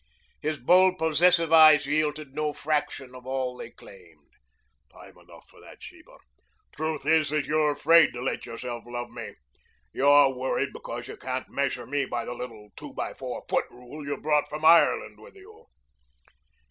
His bold, possessive eyes yielded no fraction of all they claimed. "Time enough for that, Sheba. Truth is that you're afraid to let yourself love me. You're worried because you can't measure me by the little two by four foot rule you brought from Ireland with you."